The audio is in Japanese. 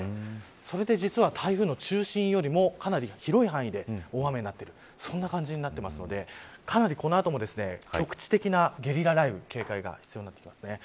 それで実は台風の中心よりもかなり広い範囲で大雨になっているそんな感じになっているのでかなりこの後も、局地的なゲリラ雷雨、警戒が必要です。